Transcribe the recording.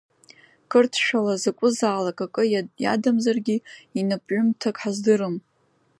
Қырҭшәала закәызаалак акы иадамзаргьы инапҩымҭак ҳаздырам.